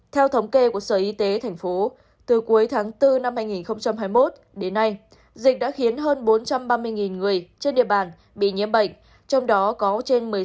theo thống kê của sở y tế tp từ cuối tháng bốn năm hai nghìn hai mươi một đến nay dịch đã khiến hơn bốn trăm ba mươi người trên địa bàn bị nhiễm bệnh trong đó có trên một mươi sáu ca tử vong